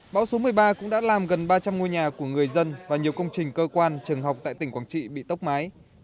bão số một mươi ba cũng đã làm gần ba trăm linh ngôi nhà của người dân và nhiều công trình cơ quan trường học tại tỉnh quảng trị bị tốc mái